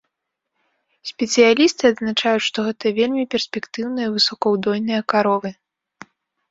Спецыялісты адзначаюць, што гэта вельмі перспектыўныя высокаўдойныя каровы.